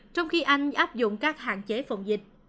trong khi anh áp dụng các hạn chế phòng dịch